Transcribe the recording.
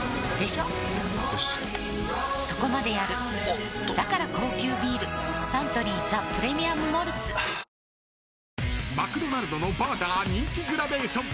しっそこまでやるおっとだから高級ビールサントリー「ザ・プレミアム・モルツ」はあー［マクドナルドのバーガー人気グラデーション］